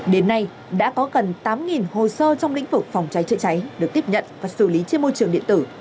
đến nay đã có gần tám hồ sơ trong lĩnh vực phòng cháy chữa cháy được tiếp nhận và xử lý trên môi trường điện tử